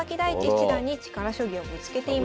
七段に力将棋をぶつけていました。